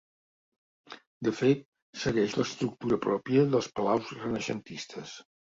De fet, segueix l'estructura pròpia dels palaus renaixentistes.